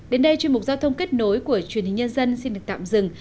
đến đây chuyên mục giao thông kết nối của truyền hình nhân dân xin được tạm dừng